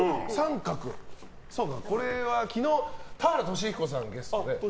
これは昨日田原俊彦さんゲストで。